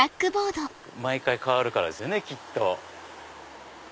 毎回変わるからですよねきっと。